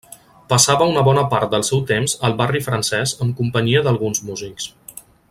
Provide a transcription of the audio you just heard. Passava una bona part del seu temps al Barri Francès amb companyia d'alguns músics.